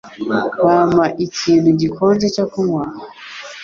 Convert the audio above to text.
Wampa ikintu gikonje cyo kunywa?